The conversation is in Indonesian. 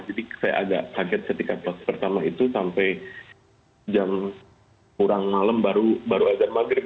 jadi saya agak kaget setika pas pertama itu sampai jam kurang malem baru ajar maghrib